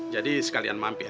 jadi sekalian mampir